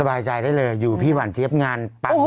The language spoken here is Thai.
บายใจได้เลยอยู่พี่หวานเจี๊ยบงานปั๊บ